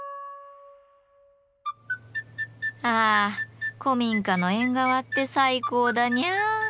あ古民家の縁側って最高だニャー。